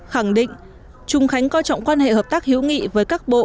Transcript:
khẳng định trùng khánh coi trọng quan hệ hợp tác hữu nghị với các bộ